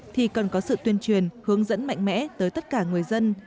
thì cần có sự tuyên truyền hướng dẫn mạnh mẽ tới tất cả người dân